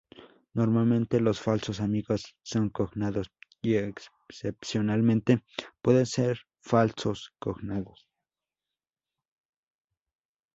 Normalmente, los falsos amigos son cognados, y excepcionalmente pueden ser falsos cognados.